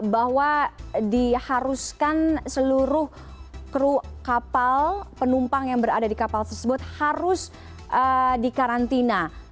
bahwa diharuskan seluruh kru kapal penumpang yang berada di kapal tersebut harus dikarantina